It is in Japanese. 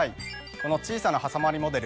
この小さなはさまりモデル